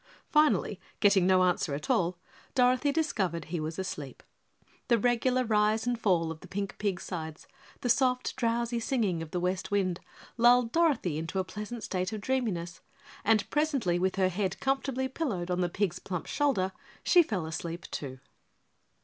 Finally, getting no answer at all, Dorothy discovered he was asleep. The regular rise and fall of the pink pig's sides, the soft drowsy singing of the west wind lulled Dorothy into a pleasant state of dreaminess, and presently, with her head comfortably pillowed on the pig's plump shoulder, she fell asleep too.